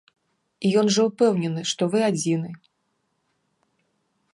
Ён жа ўпэўнены, што вы адзіны.